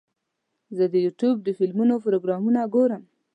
زه د یوټیوب د فلمونو پروګرامونه ګورم.